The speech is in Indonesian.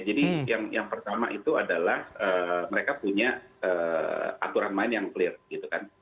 jadi yang pertama itu adalah mereka punya aturan main yang clear gitu kan